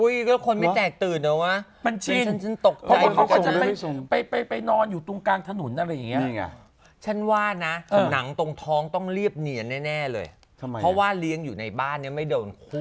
อย่าอย่าจะไม่ได้ท่อนั้นตอนนี้จะนอนอยู่โรงบาล